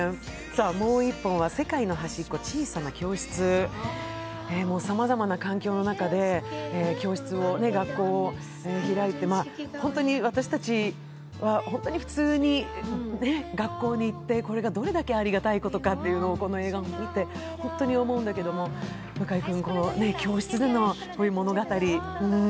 もう１本は「世界のはしっこ、ちいさな教室」、さまざまな環境の中で教室学校を開いて、本当に私たちは普通に学校に行って、これがどれだけありがたいことかをこの映画を見て本当に思うんだけれども向井君、この教室でのこういう物語。